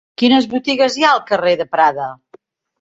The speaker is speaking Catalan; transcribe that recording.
Quines botigues hi ha al carrer de Prada?